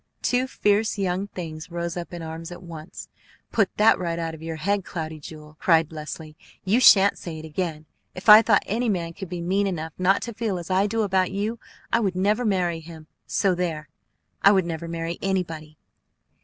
Two fierce young things rose up in arms at once. "Put that right out of your head, Cloudy Jewel!" cried Leslie. "You shan't say it again! If I thought any man could be mean enough not to feel as I do about you, I would never marry him; so there! I would never marry anybody!"